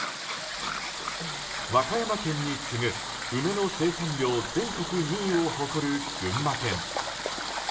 和歌山県に次ぐ、梅の生産量全国２位を誇る群馬県。